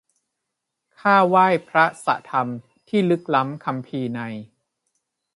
ข้าไหว้พระสะธรรม ที่ลึกล้ำคัมภีร์ใน